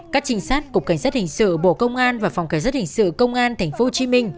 các trinh sát cục cảnh sát hình sự bộ công an và phòng cảnh sát hình sự công an tp hcm